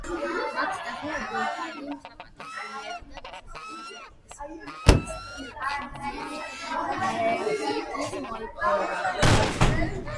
მათი დახმარებით ჰარდიმ საპატიო პრემიები და სტიპენდიები არაერთგზის მოიპოვა.